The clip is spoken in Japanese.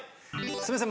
すいません